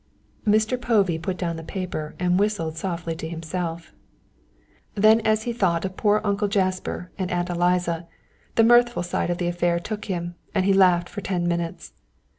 Mr. Povey put down the paper and whistled softly to himself. Then as he thought of poor Uncle Jasper and Aunt Eliza, the mirthful side of the affair took him and he laughed for ten minutes.